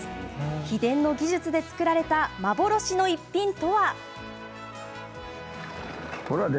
秘伝の技術で作られた幻の逸品とは？